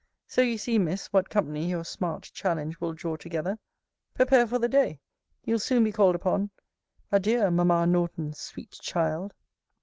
So, you see, Miss, what company your smart challenge will draw together. Prepare for the day. You'll soon be called upon. Adieu, Mamma Norton's sweet child!